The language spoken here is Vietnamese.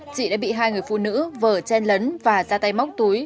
chị đã bị hai người phụ nữ vở chen lấn và ra tay móc túi